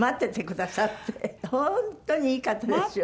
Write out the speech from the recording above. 本当にいい方ですよ！